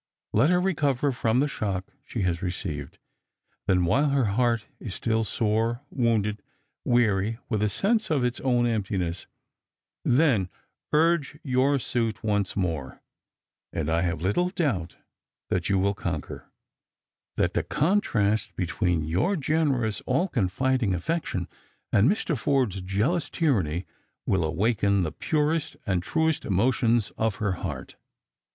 Let her recover from the shock she has received; then, while her heart is still sore, wounded, weary with a sense of i ts own emptiness, then urge your suit once more, ai>d I have little doubt that yotl will conquer; that the contrast between your generous all con fiding affection and Mr. Forde'a jealous tyranny will awaken the purest and truest emotions of her heart."